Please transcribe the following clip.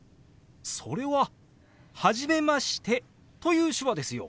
それは「初めまして」という手話ですよ。